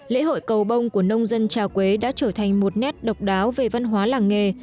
lễ hội cầu bông của nông dân trà quế đã trở thành một nét độc đáo về văn hóa làng nghề